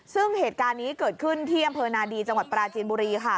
ซึ่งเหตุการณ์นี้เกิดขึ้นที่อำเภอนาดีจังหวัดปราจีนบุรีค่ะ